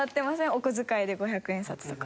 お小遣いで五百円札とか。